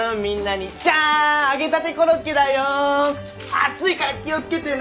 熱いから気をつけてね！